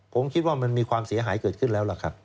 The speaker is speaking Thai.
ผมคิดว่ามันมีความเสียหายเกิดขึ้นแล้วล่ะครับ